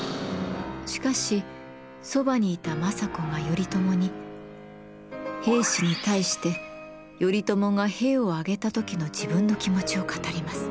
しかしそばにいた政子が頼朝に平氏に対して頼朝が兵を挙げた時の自分の気持ちを語ります。